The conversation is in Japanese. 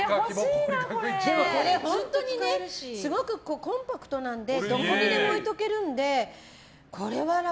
これ本当にすごくコンパクトなのでどこにでも置いておけるんでこれは楽。